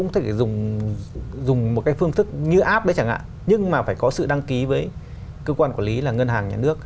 theo ông nếu những cái văn bản đó